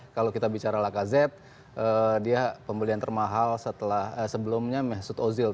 kalau kita bicara lacazette dia pembelian termahal setelah sebelumnya mesut ozil